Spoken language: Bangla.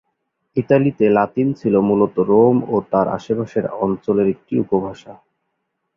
ইতালিতে লাতিন ছিল মূলত রোম ও তার আশেপাশের অঞ্চলের একটি উপভাষা।